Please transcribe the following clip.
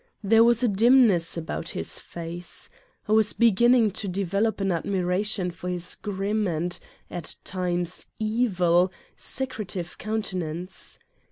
There was a dimness about his face. I was beginning to develop an admiration for his 22 Satan's Diary grim and, at times, evil, secretive countenance.